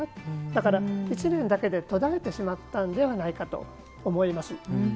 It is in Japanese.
だから１年だけで途絶えてしまったのではと思います。